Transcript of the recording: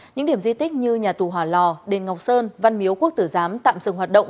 những điểm di tích như nhà tù hòa lò đền ngọc sơn văn miếu quốc tử giám tạm dừng hoạt động